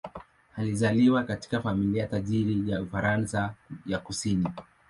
Alizaliwa katika familia tajiri ya Ufaransa ya kusini.